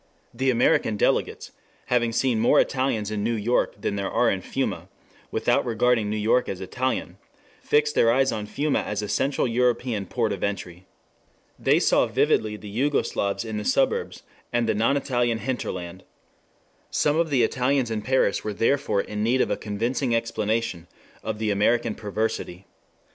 The American delegates, having seen more Italians in New York than there are in Fiume, without regarding New York as Italian, fixed their eyes on Fiume as a central European port of entry. They saw vividly the Jugoslavs in the suburbs and the non Italian hinterland. Some of the Italians in Paris were therefore in need of a convincing explanation of the American perversity.